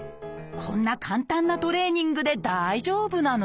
こんな簡単なトレーニングで大丈夫なの？